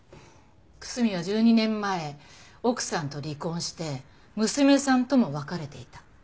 楠見は１２年前奥さんと離婚して娘さんとも別れていた。